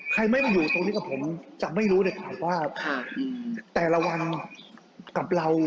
ใครไม่มาอยู่ตรงนี้กับผมจะไม่รู้เลยครับว่าแต่ละวันกับเรา